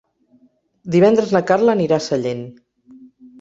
Divendres na Carla anirà a Sellent.